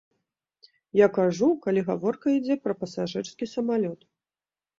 Я кажу, калі гаворка ідзе пра пасажырскі самалёт.